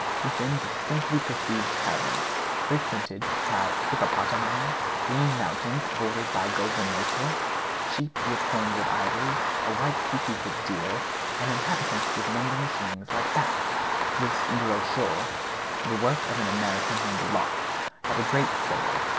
He then distinctly perceived caverns frequented by hippopotami, green mountains bordered by golden lace work, sheep with horns of ivory, a white species of deer and inhabitants with membranous wings, like bats. This brochure, the work of an American named Locke, had a great sale.